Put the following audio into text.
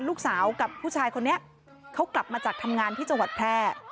ลูกสาวกับผู้ชายคนนี้เขากลับมาจากทำงานที่จังหวัดแพร่